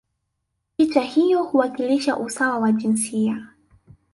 picha hiyo huwakilisha usawa wa jinsia